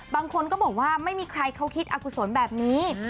บางคนก็บอกว่าไม่มีใครเขาคิดอกุศลแบบนี้